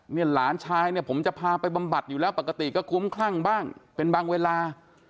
หลานชายเนี่ยผมจะพาไปบำบัดอยู่แล้วปกติก็คุ้มคลั่งบ้างเป็นบางเวลา